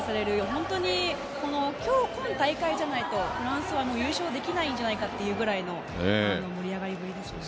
本当に今大会じゃないとフランスは優勝できないんじゃないかというぐらいの盛り上がりぶりですね。